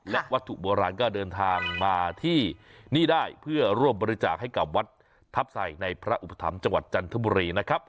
และวัตถุโบราณก็เดินทางมาที่นี่ได้เพื่อร่วมบริจาคให้กับวัดทัพใส่ในพระอุปถัมภ์จังหวัดจันทบุรีนะครับ